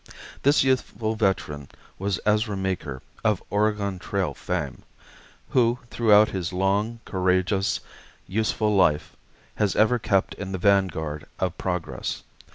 This youthful veteran was Ezra Meeker, of Oregon Trail fame, who throughout his long, courageous, useful life has ever kept in the vanguard of progress.